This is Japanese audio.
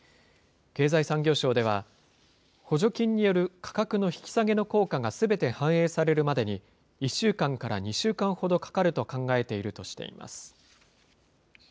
経済産業省では、補助金による価格の引き下げの効果がすべて反映されるまでに、１週間から２週間ほどかかると考えているとしています。